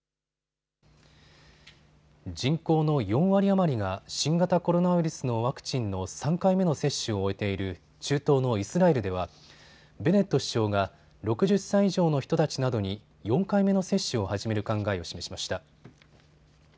人口の４割余りが新型コロナウイルスのワクチンの３回目の接種を終えている中東のイスラエルではベネット首相が６０歳以上の人たちなどに４回目の接種を始める考えを示しました。